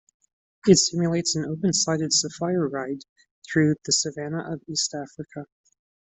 It simulates an open-sided safari ride through the savanna of East Africa.